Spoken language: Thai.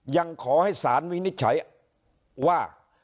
ยังขอให้สารวินิจฉัยว่า